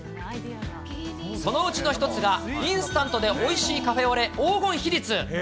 そのうちの一つが、インスタントでおいしいカフェオレ黄金比率。